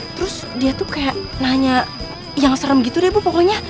terus dia tuh kayak nanya yang serem gitu deh bu pokoknya